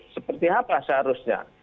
seperti apa seharusnya